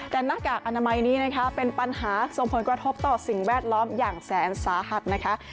แต่หน้ากากอนามัยนี้นะคะเป็นปัญหาส่งผลกระทบต่อสิ่งแวดล้อมอย่างแสนสาหัสนะคะ